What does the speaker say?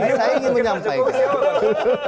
jadi saya ingin menyampaikan